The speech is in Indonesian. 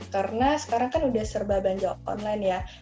karena sekarang kan udah serba banjau online ya